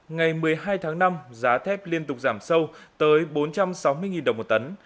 ngày một mươi hai tháng năm giá thép liên tục giảm sâu tới bốn trăm sáu mươi đồng một tấn